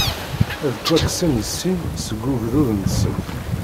Ad ttwakksen i sin seg ugdud-nsen.